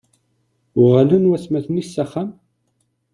Uɣalen watmaten-ik s axxam?